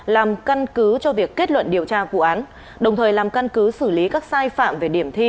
làm căn cứ cho việc kết luận điều tra vụ án đồng thời làm căn cứ xử lý các sai phạm về điểm thi